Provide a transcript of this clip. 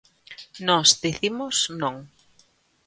Nós dicimos: non.